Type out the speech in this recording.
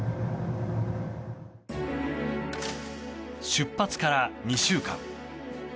出発から２週間。